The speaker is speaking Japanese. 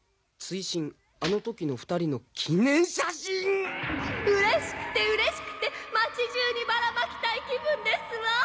「追伸あの時の二人の記念写真」「うれしくてうれしくて町中にバラ撒きたい気分ですわ！